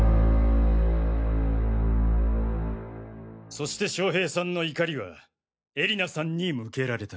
そして将平さんの怒りは絵里菜さんに向けられた。